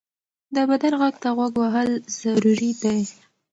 د بدن غږ ته غوږ وهل ضروري دی.